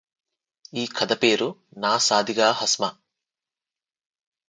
ఈ కథ పేరు నా సాదిగా హస్మ